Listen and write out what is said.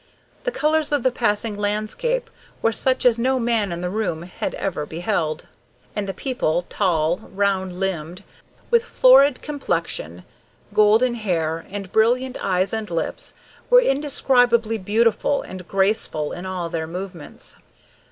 The colors of the passing landscape were such as no man in the room had ever beheld; and the people, tall, round limbed, with florid complexion, golden hair, and brilliant eyes and lips, were indescribably beautiful and graceful in all their movements.